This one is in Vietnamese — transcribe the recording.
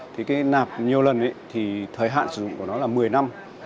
thì cái nạp nhiều lần thì thời hạn sử dụng của nó là một mươi năm